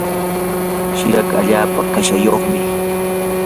shiraka allaapa kashayuqmi.